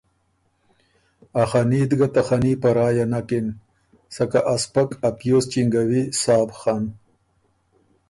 ا خني ت ګۀ ته خني په رایه نکِن ”سکه ا سپک ا پیوز چینګوی سا بو خن“